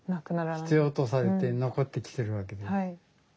必要とされて残ってきてるわけです。